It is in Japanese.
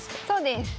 そうです。